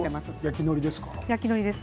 焼きのりです。